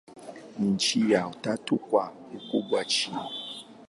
Ni mji wa tatu kwa ukubwa nchini.